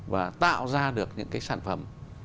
và tạo ra được những cái sản phẩm